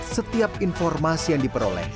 setiap informasi yang diperoleh